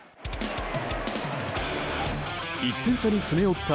１点差に詰め寄った